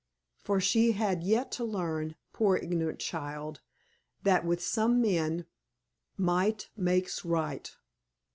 For she had yet to learn, poor ignorant child, that with some men "might makes right."